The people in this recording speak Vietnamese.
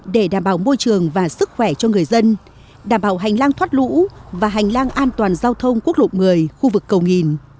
để đảm bảo môi trường và sức khỏe cho người dân đảm bảo hành lang thoát lũ và hành lang an toàn giao thông quốc lộ một mươi khu vực cầu nghìn